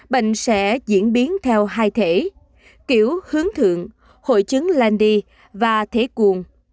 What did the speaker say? bệnh sẽ diễn biến theo hai thể kiểu hướng thượng hội chứng landy và thể cuồng